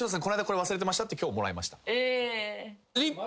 この間これ忘れてました」って今日もらいました。え。